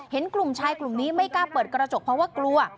เห็นกลุ่มชายกลุ่มนี้ไม่กล้าเปิดกระจกเพราะว่ากลัว